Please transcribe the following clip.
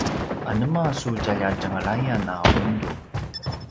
anema su tjalja tjenglayan a undu?